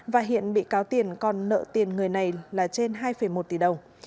và hiện bị cáo tiền còn nợ tiền người này là trên hai một tỷ đồng